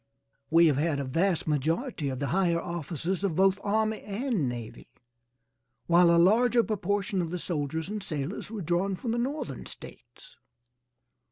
We have had a vast majority of the higher officers of both army and navy, while a larger proportion of the soldiers and sailors were drawn from the Northern States.